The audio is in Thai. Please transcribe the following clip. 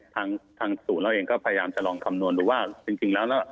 ทางศูนย์เราเองก็พยายามจะลองคำนวณดูว่าจริงแล้ว